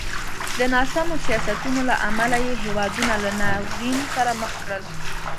د ناسمو سیاستونو له امله یې هېوادونه له ناورین سره مخ کړل.